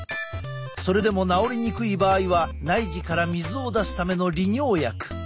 それでも治りにくい場合は内耳から水を出すための利尿薬。